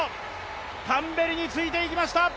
タンベリについていきました！